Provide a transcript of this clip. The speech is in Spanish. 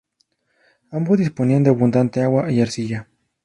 Ambos disponían de abundante agua y arcilla.